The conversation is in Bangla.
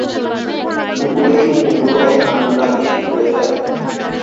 শুকোলেই সেগুলোয় আগুন লাগিয়ে পুড়ে ফেলে।